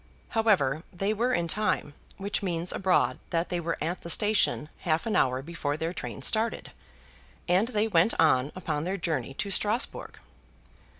However, they were in time, which means abroad that they were at the station half an hour before their train started, and they went on upon their journey to Strasbourg.